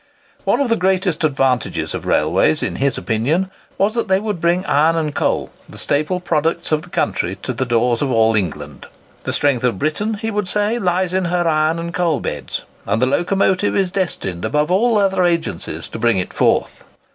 One of the greatest advantages of railways, in his opinion was that they would bring iron and coal, the staple products of the country, to the doors of all England. "The strength of Britain," he would say, "lies in her iron and coal beds; and the locomotive is destined, above all other agencies, to bring it forth.